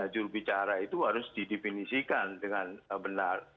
jurubicara itu harus didefinisikan dengan benar